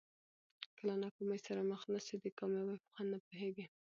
که له ناکامۍ سره مخ نه سې د کامیابۍ په خوند نه پوهېږې.